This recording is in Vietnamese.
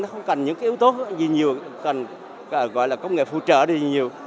nó không cần những cái yếu tố gì nhiều không cần gọi là công nghệ phụ trợ gì nhiều